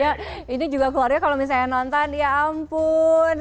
ya ini juga keluarga kalau misalnya nonton ya ampun